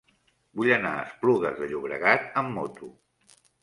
Vull anar a Esplugues de Llobregat amb moto.